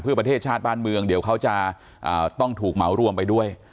เพื่อประเทศชาติบ้านเมืองเดี๋ยวเขาจะต้องถูกเหมารวมไปด้วย